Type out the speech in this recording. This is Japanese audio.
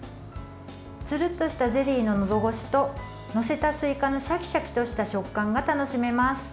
つるっとしたゼリーののどごしと、載せたすいかのシャキシャキとした食感が楽しめます。